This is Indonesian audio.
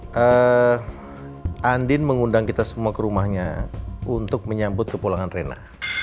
so andin mengundang kita semua ke rumahnya untuk menyambut ke pulangan rena